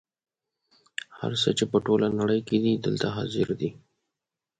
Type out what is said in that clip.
هر څه چې په ټوله نړۍ کې دي دلته حاضر دي.